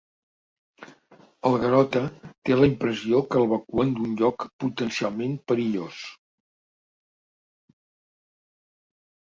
El Garota té la impressió que l'evacuen d'un lloc potencialment perillós.